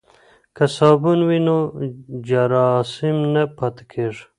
که صابون وي نو جراثیم نه پاتیږي.